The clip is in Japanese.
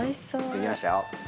できましたよ。